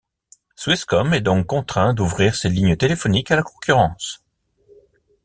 Swisscom est donc contraint d’ouvrir ses lignes téléphoniques à la concurrence.